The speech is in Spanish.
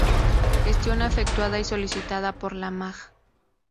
Gestión efectuada y solicitada por la Mag.